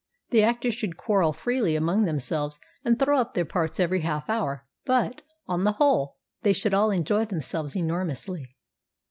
The actors should quarrel freely among themselves and throw up their parts every half hour, but, on the whole, they should all enjoy themselves enormously.